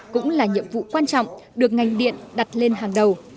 cũng là nhiệm vụ quan trọng được ngành điện đặt lên hàng đầu